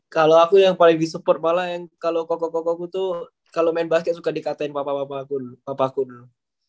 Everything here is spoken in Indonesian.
kalau aku yang paling disupport malah yang kalau koko koko ku tuh kalau main basket suka dikatain papa papaku dulu